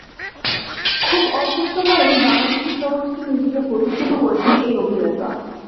খুব অল্প সময়েই বাংলাদেশী চলচ্চিত্রে নিজেকে প্রতিষ্ঠিত করেছেন এই অভিনেতা।